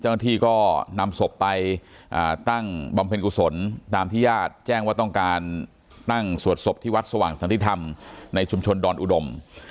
เจ้าหน้าที่ก็นำศพไปตั้งบำเพ็ญกุศลตามที่ญาติแจ้งว่าต้องการตั้งสวดศพที่วัดสว่างสันติธรรมในชุมชนดอนอุดม